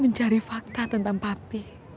mencari fakta tentang papi